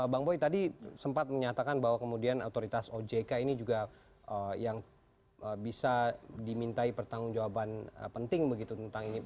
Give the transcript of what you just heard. bang boy tadi sempat menyatakan bahwa kemudian otoritas ojk ini juga yang bisa dimintai pertanggung jawaban penting begitu tentang ini